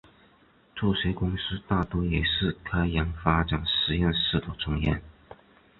这些公司大多也是开源发展实验室的成员。